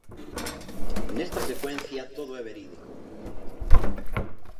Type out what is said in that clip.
Nesta secuencia todo é verídico.